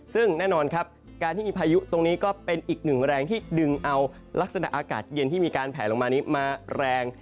ซึ่งแน่นอนครับการที่มีพายุตรงนี้ก็เป็นอีกหนึ่งแรงที่ดึงเอาลักษณะอากาศเย็นที่มีการแผลลงมานี้มาแรง